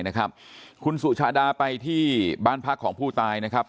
นะครับคุณสุชาดาไปที่บ้านพักของผู้ตายนะครับ